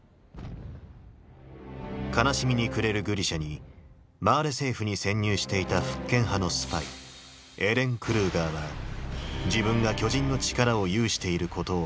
悲しみに暮れるグリシャにマーレ政府に潜入していた復権派のスパイエレン・クルーガーは自分が巨人の力を有していることを明かす。